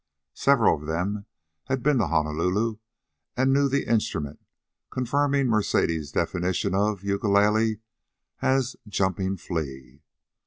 Several of them had been to Honolulu, and knew the instrument, confirming Mercedes' definition of ukulele as "jumping flea."